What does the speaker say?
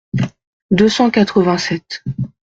deux cent quatre-vingt-sept.